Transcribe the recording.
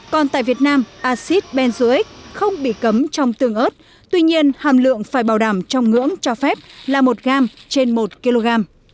còn tại việt nam acid benzoic không bị cấm trong tương ớt tuy nhiên hàm lượng phải bảo đảm trong ngưỡng cho phép là một gram trên một kg